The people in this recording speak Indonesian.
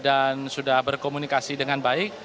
dan sudah berkomunikasi dengan baik